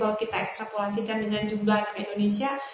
tapi kalau kita ekstrapulasikan dengan jumlah anak indonesia